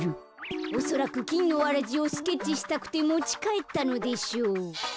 おそらくきんのわらじをスケッチしたくてもちかえったのでしょう。